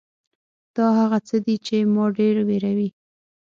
دا هغه څه دي چې ما ډېر وېروي .